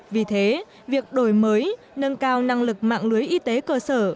vì thế việc đổi mới nâng cao năng lực mạng lưới y tế cơ sở